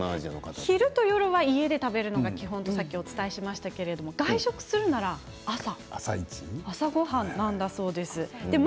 昼と夜は家で食べるのが基本とお伝えしましたが外食するとしたら朝ごはんなんだそうです。